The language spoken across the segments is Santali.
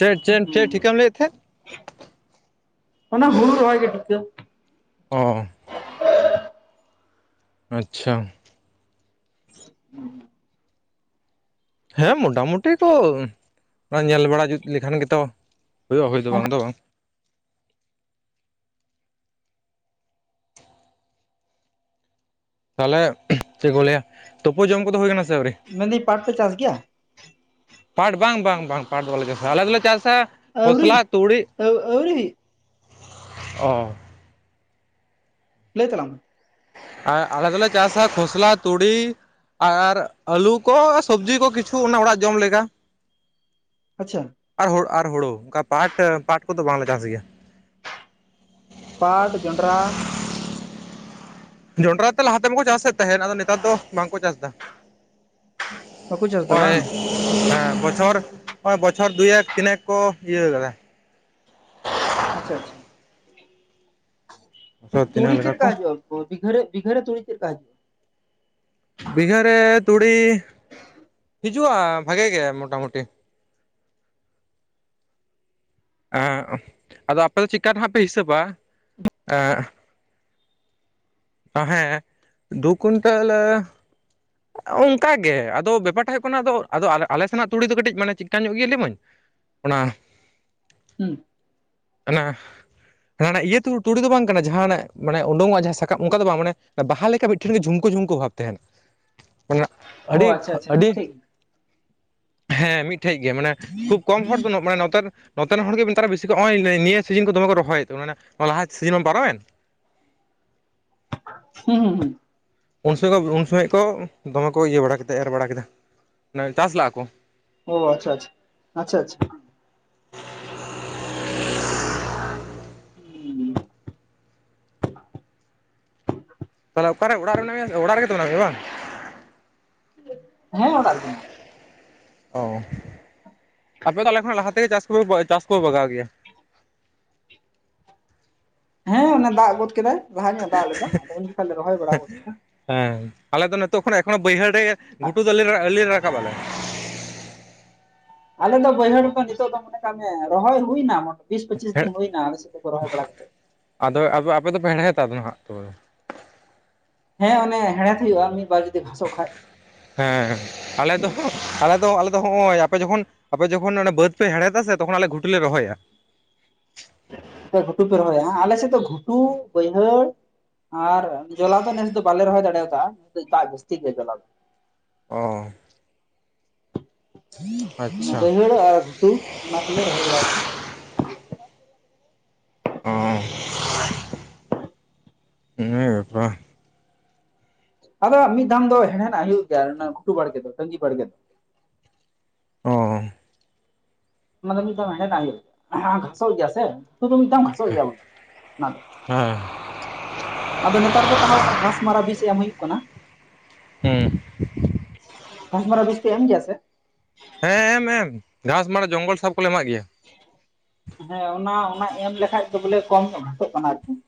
ᱪᱮᱫ ᱪᱮᱫ ᱪᱮᱫ ᱴᱷᱤᱠᱟᱹᱢ ᱞᱟᱹᱭᱮᱫ ᱛᱟᱦᱮᱸᱫ? ᱚᱱᱟ ᱦᱩᱲᱩ ᱨᱟᱷᱟᱭ ᱜᱮ ᱴᱷᱤᱠᱟᱹ ᱚᱻ ᱟᱪᱪᱷᱟ, [unintelligible] ᱦᱮᱸ ᱢᱚᱴᱟ ᱢᱩᱴᱤ ᱠᱚ ᱩᱢ, ᱧᱮᱞ ᱵᱟᱲᱟ ᱡᱩᱛ ᱞᱮᱠᱷᱟᱱ ᱜᱮᱛᱚ, ᱦᱩᱭᱩᱜᱼᱟ ᱦᱩᱭ ᱫᱚ ᱵᱟᱝ ᱫᱚ ᱵᱟᱝ᱾ ᱛᱟᱦᱚᱞᱮ ᱪᱮᱫ ᱠᱚ ᱞᱟᱹᱭᱟ, ᱛᱳᱯᱳ ᱡᱚᱢ ᱠᱚᱫᱚ ᱦᱩᱭᱠᱟᱱᱟ ᱥᱮ ᱟᱹᱣᱨᱤ? ᱢᱮᱱᱫᱟᱹᱧ ᱯᱟᱴ ᱯᱮ ᱪᱟᱥ ᱜᱮᱭᱟ? ᱯᱟᱴ, ᱵᱟᱝ ᱵᱟᱝ ᱵᱟᱝ ᱯᱟᱴ ᱫᱚ ᱵᱟᱞᱮ ᱪᱟᱥᱟ, ᱟᱞᱮ ᱫᱚᱞᱮ ᱪᱟᱥᱟ ᱟᱹᱣᱨᱤ ᱠᱷᱚᱥᱞᱟ, ᱛᱩᱲᱤ ᱟᱹᱣᱨᱤ ᱚᱻ ᱞᱟᱹᱭ ᱛᱟᱞᱟᱝ ᱢᱮ, ᱟ ᱟᱞᱮ ᱫᱚᱞᱮ ᱪᱟᱥᱟ ᱠᱷᱚᱥᱞᱟ, ᱛᱩᱲᱤ ᱟᱨ ᱟᱹᱞᱩ ᱠᱚ, ᱥᱚᱵᱡᱤ ᱠᱚ ᱠᱤᱪᱷᱩ, ᱚᱱᱟ ᱚᱲᱟᱜ ᱡᱚᱢ ᱞᱮᱠᱟ᱾ ᱟᱪᱪᱷᱟ, ᱟᱨ ᱦᱳᱲᱳ ᱟᱨ ᱦᱳᱲᱳ, ᱚᱱᱠᱟ ᱯᱟᱴ ᱟ ᱯᱟᱴ ᱠᱚᱫᱚ ᱵᱟᱝᱞᱮ ᱪᱟᱥ ᱜᱮᱭᱟ᱾ ᱯᱟᱴ, ᱡᱚᱱᱰᱨᱟ ᱡᱚᱱᱰᱨᱟ ᱛᱮ ᱞᱟᱦᱟ ᱛᱮᱢᱠᱚ ᱪᱟᱥᱮᱫ ᱛᱟᱦᱮᱸᱫ, ᱟᱫᱚ ᱱᱮᱛᱟᱨ ᱫᱚ ᱵᱟᱝᱠᱚ ᱪᱟᱥ ᱮᱫᱟ᱾ ᱵᱟᱠᱚ ᱪᱟᱥ ᱮᱫᱟ ᱦᱚᱭ ᱵᱟᱝ ᱦᱮᱸ ᱵᱚᱪᱷᱚᱨ, ᱚᱭ ᱵᱚᱪᱷᱚᱨ ᱫᱩ ᱮᱠ, ᱛᱤᱱᱮᱠ ᱠᱚ ᱤᱭᱟᱹ ᱠᱟᱫᱟ᱾ ᱟᱪᱪᱷᱟ ᱟᱪᱪᱷᱟ, ᱵᱚᱪᱷᱚᱨ ᱛᱤᱱᱟᱹᱜ ᱛᱩᱲᱤ ᱞᱮᱠᱟ ᱪᱤᱫ ᱠᱚ ᱠᱟ ᱦᱟᱡᱩᱜᱼᱟ? ᱵᱤᱜᱷᱮ ᱨᱮ ᱵᱤᱜᱷᱮ ᱨᱮ ᱛᱩᱲᱤ ᱪᱮᱫ ᱠᱟ ᱦᱤᱡᱩᱼᱟ? ᱵᱤᱜᱷᱟᱹ ᱨᱮ ᱛᱩᱲᱤ ᱦᱤᱡᱩᱜᱼᱟ, ᱵᱷᱟᱜᱮ ᱜᱮ ᱢᱚᱴᱟᱢᱩᱴᱤ᱾ ᱮᱚᱠ, ᱟᱫᱚ ᱟᱯᱮ ᱫᱚ ᱪᱮᱠᱟ ᱱᱟᱦᱟᱜ ᱯᱮ ᱦᱤᱥᱟᱹᱵᱟ ᱮᱚᱠ ᱛᱟ ᱦᱮᱸ ᱫᱩ ᱠᱩᱭᱤᱱᱴᱟᱞ ᱚᱱᱠᱟᱜᱮ ᱟᱫᱚ ᱵᱮᱯᱟᱨ ᱴᱟ ᱦᱩᱭᱩᱜ ᱠᱟᱱᱟ, ᱟᱫᱚ ᱟᱫᱚ ᱟᱞᱮ ᱟᱞᱮ ᱥᱮᱱᱟᱜ ᱛᱩᱲᱤ ᱫᱚ ᱠᱟᱹᱴᱤᱡ ᱢᱟᱱᱮ ᱪᱤᱠᱟᱱ ᱧᱚᱜ ᱜᱮᱭᱟ ᱞᱟᱹᱭᱢᱟᱹᱧ, ᱚᱱᱟ ᱦᱩᱸ᱾ ᱚᱱᱟ ᱦ ᱤᱭᱟᱹ ᱛᱩ ᱛᱩᱲᱤ ᱫᱚ ᱵᱟᱝ ᱠᱟᱱᱟ, ᱡᱟᱦᱟᱱᱟᱜ ᱢᱟᱱᱮ ᱩᱰᱠᱚᱜ ᱡᱟᱦᱟᱸ ᱥᱟᱠᱟᱢ ᱚᱱᱠᱟ ᱫᱚ ᱵᱟᱝ, ᱢᱟᱱᱮ ᱵᱟᱦᱟ ᱞᱮᱠᱟ ᱢᱤᱫ ᱴᱷᱮᱱ ᱜᱤ ᱡᱷᱩᱢᱠᱳ ᱡᱷᱩᱢᱠᱟᱹ ᱵᱷᱟᱵᱽ ᱛᱟᱦᱮᱱᱟ, ᱢᱟᱱᱮ ᱚ ᱟᱹᱰᱤ ᱟᱪᱪᱷᱟ ᱟᱪᱪᱷᱟ ᱟᱹᱰᱤ ᱢᱤᱫᱴᱷᱮᱡ ᱜᱮ ᱦᱮᱸ ᱢᱤᱫᱴᱷᱮᱡ ᱜᱮ, ᱢᱟᱱᱮ ᱠᱷᱩᱵ ᱠᱚᱢ ᱦᱚᱲ ᱫᱚ ᱢᱟᱱᱮ ᱱᱚᱛᱟᱨ ᱱᱚᱛᱮᱱ ᱦᱚᱲᱜ ᱜᱮ ᱱᱮᱛᱟᱨ ᱵᱤᱥᱤ ᱠᱚ ᱚᱭ ᱱᱤᱭᱟᱹ ᱥᱤᱡᱤᱱ ᱠᱚ ᱫᱚᱢᱮ ᱠᱚ ᱨᱚᱦᱚᱭᱮᱫ, ᱢᱟᱱᱮ ᱞᱟᱦᱟ ᱥᱤᱡᱤᱱ ᱵᱟᱝ ᱯᱟᱨᱚᱢᱮᱱ ᱦᱩᱸ ᱦᱩᱸ ᱦᱩᱸ ᱾ ᱩᱱ ᱥᱚᱢᱚᱭ ᱠᱚ ᱩᱱ ᱥᱚᱢᱚᱭ ᱠᱚ ᱫᱚᱢᱮ ᱠᱚ ᱤᱭᱟᱹ ᱵᱟᱲᱟ ᱠᱟᱛᱮᱠ ᱮᱨ ᱵᱟᱲᱟ ᱠᱮᱫᱟ, ᱢᱟᱱᱮ ᱪᱟᱥ ᱞᱟᱜᱼᱟ ᱠᱚ ᱾ ᱚ ᱟᱪᱪᱷᱟ ᱟᱪᱪᱷᱟ, ᱟᱪᱪᱷᱟ ᱟᱪᱪᱷᱟ ᱾ ᱦᱩᱸ [inaudible] ᱛᱟᱦᱚᱞᱮ ᱚᱠᱟᱨᱮ ᱚᱲᱟᱜ ᱨᱮ ᱢᱮᱱᱟ ᱢᱮᱭᱟ ᱥᱮ ᱚᱲᱟᱜ ᱨᱮᱜᱛᱚ ᱢᱮᱱᱟ ᱢᱮᱭᱟ ᱵᱟᱝ? ᱦᱮᱹ ᱚᱲᱟᱜ ᱨᱮᱜᱮ ᱢᱤᱱᱟᱹᱧᱟ ᱾ ᱚ ᱟᱯᱮ ᱫᱚ ᱟᱞᱮ ᱠᱷᱚᱱᱟᱜ ᱞᱟᱦᱟ ᱛᱮᱜᱮ ᱪᱟᱥ ᱠᱚᱯᱮ ᱪᱟᱥ ᱠᱩᱯᱮ ᱵᱟᱜᱟᱣ ᱜᱮᱭᱟ ᱾ ᱦᱮᱸ ᱚᱱᱟ ᱫᱟᱜ ᱜᱚᱫ ᱠᱮᱫᱟᱭ ᱞᱟᱦᱟ ᱧᱚᱜ ᱫᱟᱜ ᱞᱮᱫᱟ ᱟᱫᱚ ᱩᱱ ᱡᱚᱠᱷᱟᱱ ᱞᱮ ᱨᱚᱦᱚᱭ ᱵᱟᱲᱟ ᱜᱚᱫ ᱠᱮᱫᱟ ᱾ ᱦᱮᱸ ᱟᱞᱮ ᱫᱚ ᱱᱤᱛᱚᱜ ᱠᱷᱚᱱ ᱮᱠᱷᱚᱱᱳ ᱵᱟᱹᱭᱦᱟᱹᱲ ᱨᱮ ᱜᱷᱩᱴᱩ ᱫᱚ ᱟᱹᱞᱤ ᱟᱹᱞᱤ ᱞᱮ ᱨᱟᱠᱟᱵ ᱟᱞᱮ ᱾ ᱟᱞᱮ ᱫᱚ ᱵᱟᱹᱭᱦᱟᱹᱲ ᱠᱚ ᱱᱤᱛᱚᱜ ᱫᱚ ᱢᱚᱱᱮ ᱠᱟᱜ ᱢᱮ ᱨᱚᱦᱚᱭ ᱦᱩᱭᱱᱟ ᱢᱚᱴ ᱵᱤᱥ ᱯᱚᱸᱪᱤᱥ ᱫᱤᱱ ᱦᱩᱭ ᱮᱱᱟ ᱟᱞ ᱥᱮᱫ ᱫᱚ ᱠᱚ ᱨᱚᱦᱚᱭ ᱵᱟᱲᱟ ᱠᱟ ᱠᱟᱛᱮᱫ ᱾ ᱟᱫᱚ ᱟᱯᱮ ᱟᱯᱮ ᱫᱚᱯᱮ ᱦᱮᱲᱦᱮᱫᱟ ᱟᱫᱚ ᱦᱟᱸᱜ ᱛᱚ ᱾ ᱦᱮᱸ ᱚᱱᱮ ᱦᱮᱲᱦᱮᱫ ᱦᱩᱭᱩᱜᱼᱟ ᱢᱤᱫ ᱵᱟᱨ ᱡᱩᱫᱤ ᱜᱷᱟᱥᱚᱜ ᱠᱷᱟᱡ ᱾ ᱦᱮᱸ ᱟᱞᱮ ᱫᱚ ᱦᱚ ᱟᱞᱮ ᱫᱚ ᱟᱞᱮ ᱫᱚ ᱦᱚᱸᱜᱼᱚᱭ ᱟᱯᱮ ᱡᱚᱠᱷᱚᱱ ᱟᱯᱮ ᱡᱚᱠᱷᱚᱱ ᱚᱱᱟ ᱵᱟᱹᱫᱽ ᱯᱮ ᱦᱮᱲᱦᱮᱫᱟ ᱥᱮ ᱛᱚᱠᱷᱚᱱ ᱟᱞᱮ ᱜᱷᱩᱴᱩ ᱞᱮ ᱨᱚᱦᱚᱭᱟ ᱾ ᱟᱯᱮ ᱜᱷᱩᱴᱩ ᱯᱮ ᱨᱚᱦᱚᱭᱟ ᱦᱟᱸᱜ, ᱟᱞᱮ ᱥᱮᱫ ᱫᱚ ᱜᱷᱩᱴᱩ, ᱵᱟᱹᱭᱦᱟᱹᱲ ᱟᱨ ᱡᱚᱞᱟ ᱫᱚ ᱱᱮᱥ ᱫᱚ ᱵᱟᱞᱮ ᱨᱚᱦᱚᱭ ᱫᱟᱲᱮᱭᱟ ᱠᱟᱜ-ᱟ ᱱᱮᱥ ᱫᱚ ᱫᱟᱜ ᱡᱟᱹᱥᱛᱤ ᱜᱮᱭᱟ ᱡᱚᱞᱟ ᱫᱚ ᱾ ᱚ ᱾ ᱚᱱᱟ ᱟᱪᱪᱷᱟ ᱵᱟᱹᱭᱦᱟᱹᱲ ᱟᱨ ᱜᱷᱩᱴᱩ ᱚᱱᱟ ᱠᱚᱞᱮ ᱨᱚᱦᱚᱭ ᱵᱟᱲᱟ ᱠᱟᱜ-ᱟ ᱾ ᱚ ᱾ ᱤᱱᱟᱹ ᱜᱟᱯᱟ ᱟᱫᱚ ᱢᱤᱫ ᱫᱷᱟᱢ ᱫᱚ ᱦᱮᱲᱦᱮᱫᱟᱜ ᱦᱩᱭᱩᱜ ᱜᱮᱭᱟ ᱚᱱᱟ ᱜᱷᱴᱩ ᱵᱟᱲᱜᱮ ᱫᱚ ᱛᱟᱺᱜᱤ ᱵᱟᱲᱜᱮ ᱫᱚ ᱾ ᱚ ᱾ ᱢ ᱫᱚ ᱢᱤᱫ ᱫᱷᱚᱢ ᱦᱮᱲᱦᱮᱫ ᱟᱜ ᱦᱩᱭᱩᱜ ᱜᱮᱭᱟ ᱜᱷᱟᱥᱚᱜ ᱜᱮᱭᱟ ᱥᱮ ᱛᱚ ᱫᱚ ᱢᱤᱫ ᱫᱟᱢ [unintelligible] ᱥᱚᱜ ᱜᱮᱭᱟᱢ ᱚᱱᱟ ᱫᱚ ᱾ ᱦᱮᱸ ᱟᱫᱚ ᱱᱮᱛᱟᱨ ᱫᱚ ᱛᱟᱦᱚᱸ ᱚᱱᱮ ᱜᱷᱟᱥ ᱢᱟᱨᱟ ᱵᱤᱥ ᱮᱢ ᱦᱩᱭᱩᱜ ᱠᱟᱱᱟ ᱦᱩᱸ ᱾ ᱜᱷᱟᱥ ᱢᱟᱨᱟ ᱵᱤᱥ ᱯᱮ ᱮᱢ ᱜᱮᱭᱟᱥᱮ? ᱦᱮᱸ ᱮᱢ ᱮᱢ ᱜᱷᱟᱸᱥ ᱢᱟᱱᱮ ᱡᱚᱝᱜᱚᱞ ᱥᱟᱵ ᱠᱚᱞᱮ ᱮᱢᱟᱜ ᱜᱮᱭᱟ ᱾ ᱦᱮᱸ ᱚᱱᱟ ᱚᱱᱟ ᱮᱢ ᱞᱮᱠᱷᱟᱡ ᱫᱚ ᱵᱚᱞᱮ ᱠᱚᱢ ᱧᱚᱜ ᱜᱷᱟᱥᱚᱜ ᱠᱟᱱᱟ ᱟᱨᱠᱤ ᱾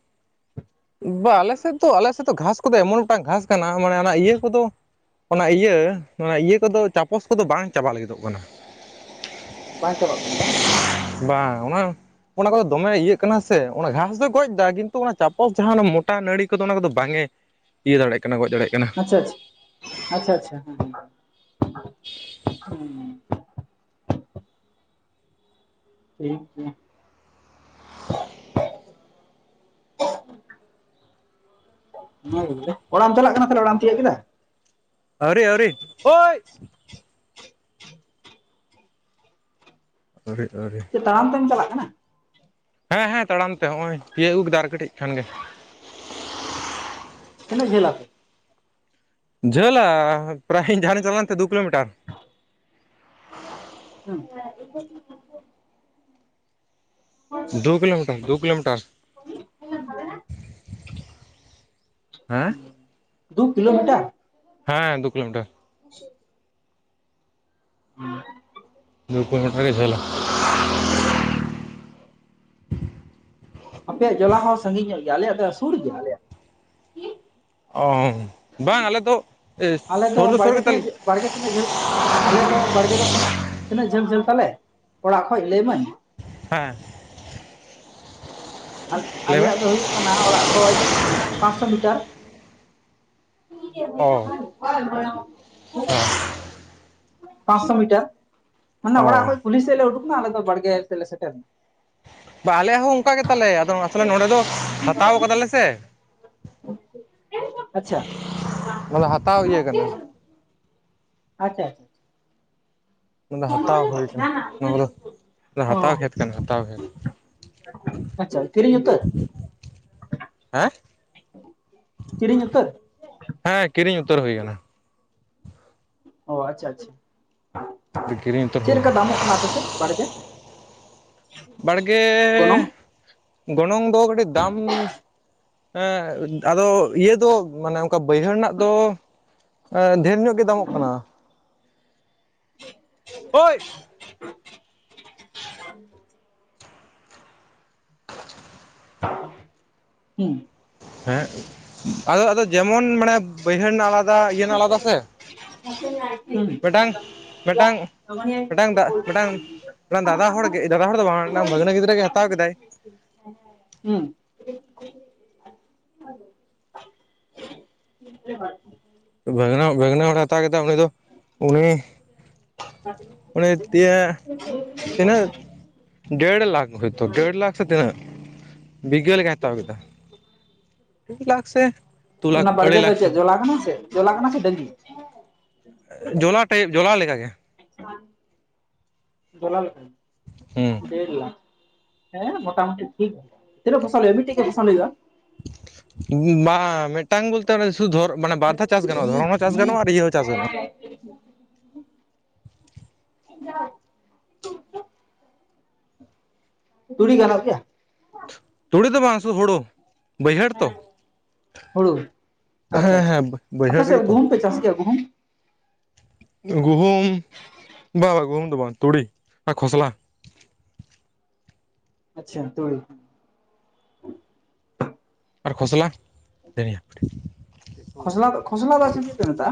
ᱵᱟ ᱟᱞᱮ ᱥᱮᱫ ᱫᱚ ᱟᱞᱮ ᱥᱮᱫ ᱫᱚ ᱜᱷᱟᱥ ᱠᱚᱫᱚ ᱮᱢᱚᱱ ᱢᱤᱫᱴᱟᱝ ᱜᱷᱟᱥ ᱠᱟᱱᱟ ᱢᱟᱱᱮ ᱚᱱᱟ ᱤᱭᱟᱹ ᱠᱚᱫᱚ ᱚᱱᱟ ᱤᱭᱟᱹ ᱚᱱᱟ ᱤᱭᱟᱹ ᱠᱚᱫᱚ ᱪᱟᱯᱚᱥ ᱠᱚᱫᱚ ᱵᱟᱝ ᱪᱟᱵᱟ ᱞᱟᱹᱜᱤᱫᱚᱜ ᱠᱟᱱᱟ ᱾ ᱵᱟᱝ ᱪᱟᱵᱟᱜ ᱠᱟᱱᱟ ᱵᱟᱝ? [inaudible] ᱵᱟᱝ ᱚᱱᱟ ᱚᱱᱟ ᱠᱚᱫᱚ ᱫᱚᱢᱮ ᱤᱭᱟᱹᱜ ᱠᱟᱱᱟ ᱥᱮ ᱚᱱᱟ ᱜᱷᱟᱥ ᱫᱚᱭ ᱜᱚᱡ ᱮᱫᱟ ᱠᱤᱱᱛᱩ ᱚᱱᱟ ᱪᱟᱯ [unintelligible] ᱡᱟᱦᱟᱸ ᱢᱚᱴᱟ ᱱᱟᱹᱲᱤ ᱠᱚᱫᱚ ᱚᱱᱟ ᱠᱚᱫᱚ ᱵᱟᱝ ᱮ ᱤᱭᱟᱹ ᱫᱟᱲᱮᱜ ᱠᱟᱱᱟ ᱜᱚᱡ ᱫᱟᱲᱮᱜ ᱠᱟᱱᱟ ᱾ ᱟᱪᱪᱷᱟ ᱟᱪᱪᱷᱟ ᱟᱪᱪᱷᱟ ᱦᱮᱸ ᱦᱮᱸ ᱾ ᱴᱷᱤᱠ ᱜᱮᱭᱟ [inaudible] ᱾ [unintelligible] ᱚᱲᱟᱜ-ᱮᱢ ᱪᱟᱞᱟᱜ ᱠᱟᱱᱟ ᱛᱟᱞᱦᱮ ᱚᱲᱟᱜ-ᱮᱢ ᱛᱤᱭᱟᱹᱜ ᱠᱮᱫᱟ? ᱟᱹᱣᱨᱤ ᱟᱹᱣᱨᱤ, ᱳᱭ ᱟᱹᱣᱨᱤ ᱟᱹᱣᱨᱤ ᱛᱟᱲᱟᱢ ᱛᱮᱢ ᱪᱟᱞᱟᱜ ᱠᱟᱱᱟ? ᱦᱮᱸ ᱦᱮᱸ ᱛᱟᱲᱟᱢ ᱛᱮ ᱱᱚᱜᱼᱚᱭ ᱛᱤᱭᱟᱹᱜ ᱟᱹᱜᱩ ᱠᱮᱫᱟ ᱟᱨ ᱠᱟᱹᱴᱤᱡ ᱠᱷᱟᱱ ᱜᱮ ᱾ ᱛᱤᱱᱟᱹᱜ ᱡᱷᱟᱞᱟ ᱯᱮ? ᱡᱷᱟᱹᱞᱟ ᱯᱨᱟᱭ ᱤᱧ ᱡᱟᱦᱟ ᱨᱮᱧ ᱪᱟᱞᱟᱣ ᱞᱮᱱ ᱛᱟᱦᱮᱱ ᱫᱩ ᱠᱤᱞᱳᱢᱤᱴᱟᱨ ᱾ [inaudible] ᱫᱩ ᱠᱤᱞᱳᱢᱤᱴᱟᱨ, ᱫᱩ ᱠᱤᱞᱳᱢᱤᱴᱟᱨ᱾ ᱦᱩᱸ ᱫᱩ ᱠᱤᱞᱳᱢᱤᱴᱟᱨ᱾ ᱦᱮᱸ ᱫᱩ ᱠᱤᱞᱳᱢᱤᱴᱟᱨ᱾ [inaudible] ᱫᱩ ᱠᱤᱞᱳᱢᱤᱴᱟᱨ ᱜᱮ ᱡᱷᱟᱹᱞᱟ᱾ ᱟᱪᱪᱷᱟ ᱟᱪᱪᱷᱟ ᱟᱯᱮᱭᱟᱜ ᱡᱚᱞᱟ ᱦᱚᱸ ᱥᱟᱸᱜᱤᱧ ᱧᱚᱜ ᱜᱮᱭᱟ ᱟᱞᱮᱭᱟᱜ ᱫᱚ ᱥᱩᱨ ᱜᱮᱭᱟ ᱟᱞᱮᱭᱟᱜ᱾ ᱚ ᱵᱟᱝ ᱟᱞᱮ ᱫᱚ ᱟᱞᱮ ᱥᱳᱨ ᱫᱚ ᱥᱳᱨ ᱵᱟᱲᱜᱮ ᱜᱮᱛᱟ ᱞᱮ ᱛᱤᱱᱟᱹᱜ ᱵᱟᱲᱜᱮ ᱛᱤᱱᱟᱹᱜ ᱡᱷᱟᱹᱞ ᱟᱞᱮᱭᱟᱜ ᱫᱚ ᱵᱟᱲᱜᱮ ᱫᱚ ᱛᱤᱱᱟᱹᱜ ᱛᱤᱱᱟᱹᱜ ᱡᱷᱟᱹᱞ ᱡᱷᱟᱹᱞ ᱛᱟᱞᱮ ᱚᱲᱟᱜ ᱠᱷᱚᱡ ᱞᱟᱹᱭ ᱟᱢᱟᱹᱧ᱾ ᱦᱮᱸ᱾ ᱞᱟᱹᱭ ᱢᱮ ᱟᱞᱮᱭᱟᱜ ᱫᱚ ᱦᱩᱭᱩᱜ ᱠᱟᱱᱟ ᱚᱲᱟᱜ ᱠᱷᱚᱡ ᱯᱟᱸᱥᱥᱚ ᱢᱤᱴᱟᱨ᱾ ᱚ [unintelligible] ᱯᱟᱸᱥᱥᱚ ᱢᱤᱴᱟᱨ ᱢᱟᱱᱮ ᱚ ᱚᱲᱟᱜ ᱠᱷᱚᱡ ᱠᱩᱞᱦᱤ ᱥᱮᱫ ᱞᱮ ᱩᱰᱩᱠ ᱱᱟ ᱟᱞᱮ ᱫᱚ ᱵᱟᱲᱜᱮ ᱥᱮᱫ ᱞᱮ ᱥᱮᱴᱮᱨ ᱱᱟ᱾ ᱵᱟ ᱟᱞᱮᱭᱟᱜ ᱦᱚᱸ ᱚᱱᱠᱟ ᱜᱮ ᱛᱟᱞᱮ ᱟᱫᱚ ᱟᱥᱚᱞᱮ ᱱᱚᱸᱰᱮ ᱫᱚ ᱦᱟᱛᱟᱣ ᱠᱟᱫᱟ ᱞᱮ ᱥᱮ᱾ ᱟᱪᱪᱷᱟ᱾ ᱢᱟᱱᱮ ᱦᱟᱛᱟᱣ ᱤᱭᱟᱹ ᱠᱟᱱᱟ᱾ ᱟᱪᱪᱷᱟ᱾ ᱱᱚᱣᱟ ᱫᱚ ᱦᱟᱛᱟᱣ ᱦᱳᱭ ᱠᱟᱱᱟ ᱱᱚᱣᱟ ᱠᱚᱫᱚ ᱚ ᱦᱟᱛᱟᱣ ᱠᱷᱮᱛ ᱠᱟᱱᱟ ᱦᱟᱛᱟᱣ ᱠᱷᱮᱛ᱾ ᱟᱪᱪᱷᱟ ᱠᱤᱨᱤᱧ ᱩᱛᱟᱹᱨ᱾ ᱦᱮᱸ ᱠᱤᱨᱤᱧ ᱩᱛᱟᱹᱨ᱾ ᱦᱮᱸ ᱠᱤᱨᱤᱧ ᱩᱛᱟᱹᱨ ᱦᱳᱭ ᱠᱟᱱᱟ᱾ ᱚ ᱟᱪᱪᱷᱟ, ᱟᱪᱪᱷᱟ ᱠᱤᱨᱤᱧ ᱩᱛᱟᱹᱨ ᱪᱮᱫ ᱦᱩᱭ ᱞᱮᱠᱟ ᱫᱟᱢᱚᱜ ᱠᱟᱱᱟ ᱟᱯᱮ ᱥᱮᱫ ᱵᱟᱲᱜᱮ? ᱵᱟᱲᱜᱮ ᱜᱚᱱᱚᱝ ᱜᱚᱱᱚᱝ ᱫᱚ ᱠᱟᱹᱴᱤᱡ ᱫᱟᱢ ᱦᱮᱸ ᱟᱫᱚ ᱤᱭᱟᱹ ᱫᱚ ᱢᱟᱱᱮ ᱚᱱᱠᱟ ᱵᱟᱹᱭᱦᱟᱹᱲ ᱨᱮᱱᱟᱜ ᱫᱚ᱾ ᱰᱷᱮᱸᱨ ᱧᱚᱜ ᱜᱮ ᱫᱟᱢᱚᱜ ᱠᱟᱱᱟ ᱳᱭ᱾ [inaudible] ᱦᱩᱸ᱾ ᱦᱮᱸ ᱟᱫᱚ ᱟᱫᱚ ᱡᱮᱢᱚᱱ ᱢᱟᱱᱮ ᱵᱟᱹᱭᱦᱟᱹᱲ ᱨᱮᱱᱟᱜ ᱟᱞᱟᱫᱟ ᱤᱭᱟᱹ ᱨᱮᱱᱟᱜ ᱟᱞᱟᱫᱟ ᱥᱮ᱾ ᱢᱤᱫᱴᱟᱝ ᱢᱤᱫᱴᱟᱝ ᱢᱤᱫᱴᱟᱝ ᱫᱟᱜ ᱢᱤᱫᱴᱟᱝ [unintelligible] ᱫᱟᱫᱟ ᱦᱚᱲ ᱜᱮ ᱫᱟᱫᱟ ᱦᱚᱲ ᱫᱚ ᱵᱟᱝ ᱢᱤᱫᱴᱟᱝ ᱵᱷᱟᱹᱜᱽᱱᱟ ᱜᱤᱫᱽᱨᱟᱹ ᱜᱮᱭ ᱦᱟᱛᱟᱣ ᱠᱮᱫᱟᱭ᱾ ᱦᱩᱸ᱾ [unintelligible] ᱵᱷᱟᱹᱜᱽᱱᱟ, ᱵᱷᱟᱹᱜᱽᱱᱟ ᱦᱚᱲ ᱦᱟᱛᱟᱣ ᱠᱮᱫᱟ ᱩᱱᱤ ᱫᱚ ᱩᱱᱤ ᱩᱱᱤ ᱛᱤᱭᱟᱹ ᱛᱤᱱᱟᱹᱜ [unintelligible] ᱰᱮᱲ ᱞᱟᱠᱷ ᱦᱳᱭ ᱛᱚ ᱰᱮᱲ ᱞᱟᱠᱷ ᱥᱮ ᱛᱤᱱᱟᱹᱜ? ᱵᱤᱜᱷᱟᱹ ᱞᱮᱠᱟ ᱦᱟᱛᱟᱣ ᱠᱮᱫᱟ᱾ ᱰᱮᱲ ᱞᱟᱠᱷ ᱥᱮ ᱫᱩ ᱞᱟᱠᱷ ᱚᱱᱟ ᱟᱹᱲᱟᱹᱭ ᱵᱟᱲᱜᱮ ᱫᱚ ᱞᱟᱠᱷ ᱪᱮᱫ ᱡᱚᱞᱟ ᱠᱟᱱᱟ ᱥᱮ ᱡᱚᱞᱟ ᱠᱟᱱᱟ ᱥᱮ ᱰᱟᱹᱦᱤ? ᱡᱚᱞᱟ ᱴᱟᱭᱤᱯ ᱡᱚᱞᱟ ᱞᱮᱠᱟ ᱜᱮ᱾ ᱡᱚᱞᱟ ᱞᱮᱠᱟ ᱦᱩᱸ ᱰᱮᱲ ᱞᱟᱠᱷ᱾ ᱦᱮᱸ ᱢᱚᱴᱟ ᱢᱩᱴᱤ ᱴᱷᱤᱠ ᱜᱮ ᱛᱤᱱᱟᱜ ᱯᱷᱚᱥᱚᱞ ᱦᱩᱭᱩᱜ-ᱟ? ᱢᱤᱫᱴᱤᱡ ᱜᱮ ᱯᱷᱚᱥᱚᱞ ᱦᱩᱭᱩᱜ-ᱟ? ᱵᱟᱝ ᱢᱤᱫᱴᱟᱝ ᱵᱚᱞ ᱛᱮ ᱥᱩᱫᱩ ᱫᱷᱚᱨ ᱢᱟᱱᱮ ᱵᱟᱨ ᱫᱷᱟᱣ ᱪᱟᱥ ᱜᱟᱱᱚᱜ-ᱟ ᱫᱷᱚᱨᱚᱱ ᱦᱚᱸ ᱪᱟᱥ ᱜᱟᱱᱚᱜ ᱟᱨ ᱤᱭᱟᱹ ᱦᱚᱸ ᱪᱟᱥ ᱜᱟᱱᱚᱜ-ᱟ᱾ [inaudible] ᱛᱩᱸᱲᱤ ᱜᱟᱱᱚᱜ ᱜᱮᱭᱟ? ᱛᱩᱸᱲᱤ ᱫᱚ ᱵᱟᱝ ᱥᱩᱫᱩ ᱦᱳᱲᱳ ᱵᱟᱹᱭᱦᱟᱹᱲ ᱛᱚ᱾ ᱦᱩᱲᱩ ᱟᱪᱪᱷᱟ, ᱦᱮᱸ ᱟᱪᱪᱷᱟ ᱦᱮᱸ ᱵᱟᱹᱭᱦᱟᱹᱲ ᱟᱯᱮ ᱨᱮᱜᱮ ᱥᱮᱫ ᱛᱚ ᱜᱩᱦᱩᱢ ᱯᱮ ᱪᱟᱥ ᱜᱮᱭᱟ ᱜᱩᱦᱩᱢ? ᱜᱩᱦᱩᱢ ᱵᱟᱝ ᱵᱟᱝ ᱜᱩᱦᱩᱢ ᱫᱚ ᱵᱟᱝ ᱛᱩᱲᱤ ᱟᱨ ᱠᱷᱚᱥᱞᱟ ᱟᱪᱪᱷᱟ ᱛᱳᱨᱤ ᱟᱨ ᱠᱷᱚᱥᱞᱟ ᱫᱚ [unintelligible] ᱠᱷᱚᱥᱞᱟ [unintelligible] ᱠᱷᱚᱥᱞᱟ ᱫᱚ ᱪᱮᱫ ᱡᱮ ᱢᱮᱛᱟᱜᱼᱟ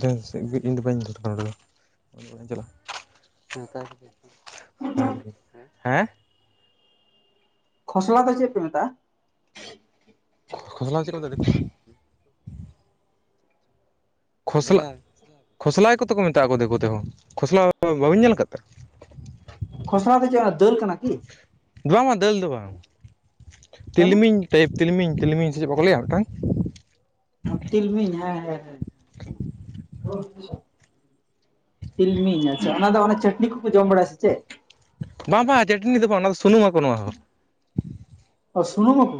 ᱡᱟᱦᱟᱸ ᱥᱮᱫ ᱜᱮ ᱤᱧᱫᱚ ᱵᱟᱹᱧ ᱫᱚᱨᱠᱟᱨᱟ [unintelligible] [unintelligible] ᱪᱟᱞᱟᱜᱼᱟ ᱦᱮᱸ ᱠᱷᱚᱥᱞᱟ ᱫᱚ ᱪᱮ ᱯᱮ ᱢᱮᱛᱟᱜ ᱟ? ᱠᱷᱚᱥᱞᱟ ᱪᱮᱫ ᱠᱚ ᱢᱮᱛᱟᱜ ᱟ ᱫᱤᱠᱩ ᱛᱮ? ᱠᱷᱚᱥᱞᱟ ᱠᱷᱚᱥᱞᱟᱭ ᱠᱚᱛᱮ ᱠᱚ ᱢᱮᱛᱟᱜ ᱠᱚ ᱫᱤᱠᱩ ᱛᱮᱦᱚᱸ, ᱠᱷᱚᱥᱞᱟ ᱵᱟᱹᱵᱤᱱ ᱧᱮᱞ ᱟᱠᱟᱫ ᱛᱮ? [inaudible] ᱠᱷᱚᱥᱞᱟ ᱫᱚ ᱪᱮᱫ ᱚᱱᱟ ᱫᱟᱹᱞ ᱠᱟᱱᱟ ᱠᱤ? ᱵᱟᱝᱼᱟ ᱫᱟᱹᱞ ᱫᱚ ᱵᱟᱝ ᱛᱟᱦᱚᱞᱮ? ᱛᱤᱞᱢᱤᱧ ᱴᱟᱭᱤᱯ ᱛᱤᱞᱢᱤᱧ ᱛᱤᱞᱢᱤᱧ ᱥᱮ ᱪᱮᱫ ᱵᱟᱠᱚ ᱞᱮᱭᱟ ᱢᱤᱫᱴᱟᱝ ᱛᱤᱞᱢᱤᱧ ᱦᱮᱸ ᱦᱮᱸ ᱦᱮᱸ ᱛᱤᱞᱢᱤᱧ ᱟᱪᱪᱷᱟ ᱚᱱᱟ ᱫᱚ ᱚᱱᱟ ᱪᱟᱹᱴᱱᱤ ᱠᱚᱠᱚ ᱡᱚᱢ ᱵᱟᱲᱟᱭᱟ ᱥᱮ ᱪᱮᱫ ᱵᱟᱝ ᱵᱟᱝ ᱪᱟᱹᱴᱱᱤ ᱫᱚ ᱵᱟᱝ ᱚᱱᱟ ᱫᱚ ᱥᱩᱱᱩᱢᱟᱠᱚ ᱱᱚᱣᱟ ᱦᱚᱸ ᱳ ᱥᱩᱱᱩᱢᱟ ᱠᱚ?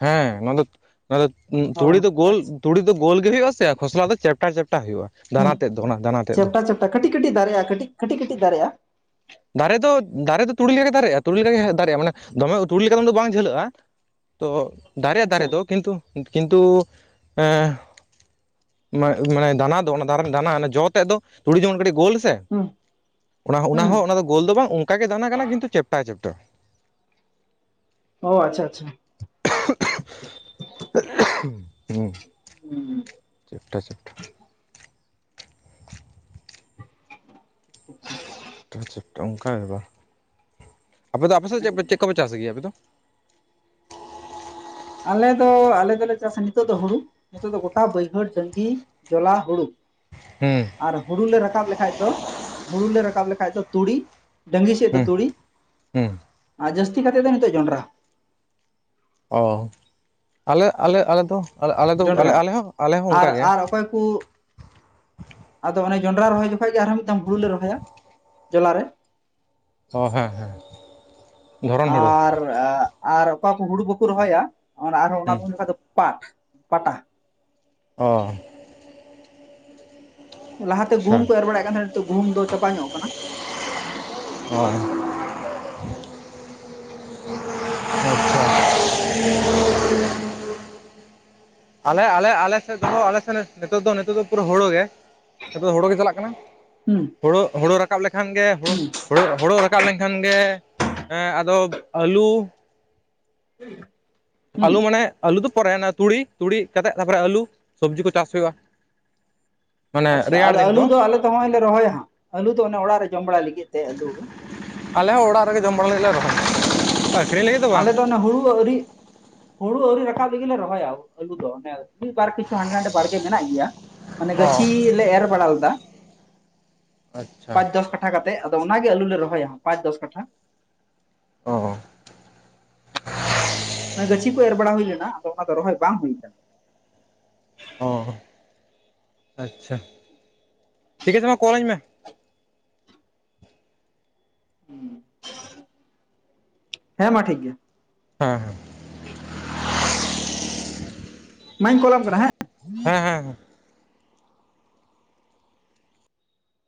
ᱦᱮᱸ ᱱᱚᱣᱟ ᱫᱚ ᱱᱚᱣᱟ ᱫᱚ ᱛᱩᱲᱤ ᱚ ᱫᱚ ᱜᱳᱞ ᱟᱪᱪᱷᱟ ᱛᱩᱲᱤ ᱫᱚ ᱜᱳᱞ ᱜᱮ ᱦᱩᱭᱩᱜᱼᱟ ᱥᱮ ᱟᱨ ᱠᱷᱚᱥᱞᱟ ᱫᱚ ᱪᱮᱯᱴᱟ ᱪᱮᱯᱴᱟ ᱦᱩᱭᱩᱜᱼᱟ ᱦᱮᱸ ᱫᱟᱱᱟ ᱛᱮᱫ ᱫᱚ ᱚᱱᱟ ᱫᱟᱱᱟ ᱛᱮᱫ ᱫᱚ ᱪᱮᱯᱴᱟ ᱪᱟᱯᱴᱟ ᱠᱟᱹᱴᱤᱡ ᱠᱟᱹᱴᱤᱡ ᱫᱟᱨᱮᱜᱼᱟ ᱠᱟᱹᱴᱤᱡ ᱠᱟᱹᱴᱤᱡ ᱠᱟᱹᱴᱤᱡ ᱫᱟᱨᱮᱜᱭᱟᱜᱼᱟ ᱫᱟᱨᱮ ᱫᱚ ᱫᱟᱨᱮ ᱫᱚ ᱛᱩᱲᱤ ᱞᱮᱠᱟ ᱜᱮ ᱫᱟᱨᱮᱜᱼᱟ ᱛᱩᱤ ᱞᱮᱠᱟᱜᱮ ᱫᱟᱨᱮᱜᱼᱟ ᱢᱟᱱᱮ ᱫᱚᱢᱮ ᱛᱩᱲᱤ ᱞᱮᱠᱟ ᱫᱚ ᱵᱟᱝ ᱡᱷᱟᱹᱞᱟᱹᱜᱼᱟ ᱛᱚ ᱫᱟᱨᱮ ᱫᱟᱨᱮ ᱟᱪᱪᱷᱟ ᱫᱚ ᱠᱤᱱᱛᱩ ᱠᱤᱱᱛᱩ ᱮᱻ ᱢᱟᱱᱮ ᱫᱟᱱᱟ ᱫᱚ ᱚᱱᱟ ᱫᱟᱨᱮᱢ ᱫᱟᱱᱟ ᱡᱚ ᱛᱮᱫ ᱫᱚ ᱛᱩᱲᱤ ᱡᱮᱢᱚᱱ ᱠᱟᱹᱴᱤᱡ ᱜᱳᱞ ᱦᱮᱸ ᱥᱮ ᱦᱩᱸ ᱚᱱᱟ ᱦᱩᱸ ᱦᱚᱸ ᱚᱱᱟ ᱫᱚ ᱜᱳᱞ ᱫᱚ ᱵᱟᱝ ᱚᱱᱠᱟ ᱜᱮ ᱫᱟᱱᱟ ᱠᱟᱱᱟ ᱠᱤᱱᱛᱩ ᱪᱮᱯᱴᱟ ᱪᱮᱯᱴᱟ ᱚ ᱟᱪᱪᱷᱟ ᱟᱪᱪᱷᱟ ᱦᱩᱸ [unintelligible] ᱦᱩᱸ [unintelligible] ᱪᱮᱯᱴᱟ ᱪᱮᱯᱴᱟ ᱦᱩᱸ [unintelligible] ᱟ ᱚᱱᱠᱟ ᱵᱟᱝ ᱟᱯᱮ ᱫᱚ ᱟᱯᱮ ᱥᱮᱫ ᱪᱮᱫ ᱪᱮᱫ ᱠᱚᱯᱮ ᱪᱟᱥ ᱜᱮᱭᱟ ᱟᱯᱮ ᱫᱚ? ᱟᱞᱮ ᱫᱚ ᱟᱞᱮ ᱫᱚᱞᱮ ᱪᱟᱥᱟ ᱱᱤᱛᱚᱜ ᱫᱚ ᱦᱩᱲᱩ᱾ ᱱᱤᱛᱚᱜ ᱫᱚ ᱜᱚᱴᱟ ᱵᱟᱹᱭᱦᱟᱹᱲ ᱡᱟᱸᱜᱤ ᱡᱚᱞᱟ ᱦᱩᱲᱩ᱾ ᱦᱩᱸ ᱟᱨ ᱦᱩᱲᱩ ᱞᱮ ᱨᱟᱠᱟᱵ ᱞᱮᱠᱷᱟᱡ ᱫᱚ ᱦᱩᱲᱩᱞᱮ ᱨᱟᱠᱟᱵ ᱞᱮᱠᱷᱟᱡ ᱫᱚ ᱛᱩᱲᱤ ᱰᱟᱹᱝᱤ ᱥᱮᱫ ᱫᱚ ᱦᱩᱸ ᱛᱩᱲᱤ ᱦᱩᱸ ᱟᱨ ᱡᱟᱹᱥᱛᱤ ᱠᱟᱛᱮ ᱫᱚ ᱱᱤᱛᱚᱜ ᱡᱚᱸᱰᱨᱟ᱾ ᱚ ᱟᱞᱮ ᱟᱞᱮ ᱟᱞᱮᱫᱚ ᱟᱞᱮᱫᱚ ᱡᱚᱱᱰᱨᱟ ᱟᱞᱮ ᱦᱚᱸ ᱟᱞᱮ ᱦᱚᱸ ᱟᱨ ᱚᱱᱠᱟᱜᱮ᱾ ᱟᱨ ᱚᱠᱚᱭ ᱠᱚ ᱟᱫᱚ ᱚᱱᱮ ᱡᱚᱱᱰᱨᱟ ᱨᱚᱦᱚᱭ ᱡᱚᱠᱷᱟᱡ ᱜᱮ ᱟᱨᱦᱚᱸ ᱢᱤᱫᱽᱫᱷᱚᱢ ᱦᱩᱲᱩ ᱞᱮ ᱨᱚᱦᱚᱭᱟ ᱡᱚᱞᱟᱨᱮ᱾ ᱚ ᱦᱮᱸ ᱦᱮᱸ ᱫᱷᱚᱨᱚᱱ ᱦᱩᱲᱩ ᱟᱨ ᱟᱨ ᱚᱠᱟ ᱠᱩ ᱦᱩᱲᱩ ᱵᱟᱹᱠᱚ ᱨᱚᱦᱚᱭᱟ ᱚᱸᱨ ᱟᱨᱦᱚᱸ ᱚᱱᱟ ᱦᱩᱸ ᱫᱩᱸ ᱡᱚᱠᱷᱟᱡ ᱫᱚ ᱯᱟᱴ ᱯᱟᱴᱟᱦ ᱚ ᱞᱟᱦᱟᱛᱮ ᱜᱩᱢ ᱟᱪᱪᱷᱟ ᱠᱩ ᱮᱨ ᱵᱟᱲᱟᱭᱮᱫ ᱠᱟᱱ ᱛᱟᱦᱮᱸᱱᱟ ᱱᱤᱛᱚᱜ ᱜᱩᱦᱩᱢ ᱫᱚ ᱪᱟᱵᱟ ᱧᱚᱜ ᱠᱟᱱᱟ, [unintelligible] ᱦᱳᱭ [unintelligible] ᱟᱪᱪᱷᱟ ᱟᱞᱮ ᱟᱞᱮ ᱟᱞᱮᱥᱮᱫ ᱫᱚ ᱦᱳ ᱟᱞᱮ ᱥᱮᱫ ᱱᱤᱛᱚᱜ ᱫᱚ ᱱᱤᱛᱚᱜ ᱫᱚ ᱯᱩᱨᱟᱹ ᱦᱳᱲᱳ ᱜᱮ ᱱᱤᱛᱚᱜ ᱫᱚ ᱦᱳᱲᱳ ᱜᱮ ᱪᱟᱞᱟᱜ ᱠᱟᱱᱟ᱾ ᱦᱩᱸ, ᱦᱩᱲᱳ ᱦᱩᱲᱳ ᱨᱟᱠᱟᱵ ᱞᱮᱠᱷᱟᱱ ᱜᱮ ᱦᱩᱲᱳ ᱦᱩᱸ ᱦᱩᱲᱳ ᱨᱟᱠᱟᱵ ᱞᱮᱱᱠᱷᱟᱱ ᱜᱮ ᱦᱮᱸ ᱟᱫᱚ ᱟᱹᱞᱩ [inaudible] ᱦᱩᱸ ᱟᱞᱩ ᱢᱟᱱᱮ ᱟᱹᱞᱩ ᱫᱚ ᱯᱚᱨᱮ ᱟᱱᱟ ᱛᱩᱲᱤ ᱛᱩᱲᱤ ᱠᱟᱛᱮᱫ ᱛᱟᱨᱯᱚᱨᱮ ᱟᱹᱞᱩ ᱥᱚᱵᱽᱡᱤ ᱠᱚ ᱪᱟᱥ ᱦᱩᱭᱩᱜ-ᱟ᱾ ᱟᱪᱪᱷᱟ ᱟᱞᱮ ᱟᱹᱞᱩ ᱫᱚ ᱟᱞᱮᱫᱚ ᱦᱚᱸᱜ-ᱚᱭ ᱞᱮ ᱨᱚᱦᱚᱭᱟ ᱦᱟᱸᱜ ᱟᱹᱞᱩ ᱫᱚ ᱚᱱᱮ ᱚᱲᱟᱜ ᱨᱮ ᱡᱚᱢ ᱵᱟᱲᱟᱭ ᱞᱟᱹᱜᱤᱫ ᱛᱮ ᱟᱹᱞᱩ, ᱟᱞᱮ ᱦᱚᱸ ᱚᱲᱟᱜ ᱨᱮᱜᱮ ᱡᱚᱢ ᱵᱟᱲᱟ ᱞᱟᱜᱤᱫ ᱞᱮ ᱨᱚᱦᱚᱭ ᱟᱹᱠᱷᱨᱤᱧ ᱞᱟᱹᱜᱮᱫ ᱫᱚ ᱵᱟᱝ᱾ ᱚᱱᱟ ᱦᱩᱲᱩ ᱟᱹᱣᱨᱤ ᱦᱩᱲᱩ ᱟᱹᱣᱨᱤ ᱨᱟᱠᱟᱵ ᱨᱮᱜᱤᱞᱮ ᱨᱚᱦᱚᱭᱟ ᱟᱹᱞᱩ ᱫᱚ ᱦᱮᱸ ᱢᱤᱫ ᱵᱟᱨ ᱠᱤᱪᱷᱩ ᱦᱟᱸᱰᱮ ᱱᱟᱰᱮ ᱵᱟᱲᱜᱮ ᱢᱮᱱᱟᱜ ᱜᱮᱭᱟ, ᱢᱟᱱᱮ ᱚ ᱜᱟᱹᱪᱷᱤ ᱞᱮ ᱮᱨ ᱵᱟᱲᱟ ᱞᱮᱫᱟ ᱟᱪᱪᱷᱟ ᱯᱟᱸᱪ ᱫᱚᱥ ᱠᱟᱴᱷᱟ ᱠᱟᱛᱮ ᱟᱫᱚ ᱚᱱᱟᱜᱮ ᱟᱹᱞᱩ ᱞᱮ ᱨᱚᱦᱚᱭᱟ ᱦᱟᱸᱜ ᱯᱟᱸᱪ ᱫᱚᱥ ᱠᱟᱴᱷᱟ, ᱚ, [unintelligible] ᱜᱟᱹᱪᱷᱤ ᱠᱩ ᱮᱨ ᱵᱟᱲᱟ ᱦᱩᱭ ᱞᱮᱱᱟ ᱟᱫᱚ ᱚᱱᱟ ᱫᱚ ᱨᱚᱦᱚᱭ ᱵᱟᱝ ᱦᱩᱭ ᱟᱠᱟᱱᱟ᱾ ᱚ ᱟᱪᱪᱷᱟ, ᱴᱷᱤᱠ ᱟᱪᱷᱮ ᱢᱟ ᱠᱚᱞ ᱟᱹᱧ ᱢᱮ, ᱦᱮᱸ ᱢᱟ ᱴᱷᱤᱠ ᱜᱮᱭᱟ, ᱦᱮᱸ, ᱦᱮᱸ, ᱢᱟᱧ ᱠᱚᱞᱟᱢ ᱠᱟᱱᱟ ᱦᱮᱸ, ᱦᱮᱸ, ᱦᱮᱸ,